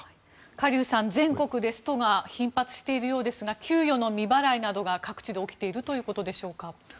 カ・リュウさん、全国でストが頻発しているようですが給与の未払いなどが各地で起きているということですか。